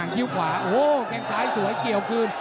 กิ้วขวาแข่งสายสวยเกี่ยวคืน